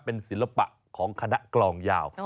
เป็นศิลปะของคณะกลองยาว